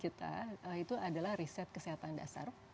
kita itu adalah riset kesehatan dasar